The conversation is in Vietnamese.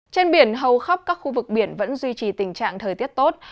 trên biển hầu khắp các khu vực biển vẫn duy trì tình trạng thời tiết tốt